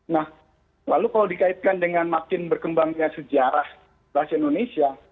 nah lalu kalau dikaitkan dengan makin berkembangnya sejarah bahasa indonesia